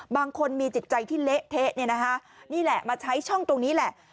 บางคนมีจิตใจที่เละเทะเนี่ยนะคะนี่แหละมาใช้ช่องตรงนี้แหละ